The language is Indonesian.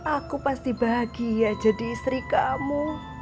aku pasti bahagia jadi istri kamu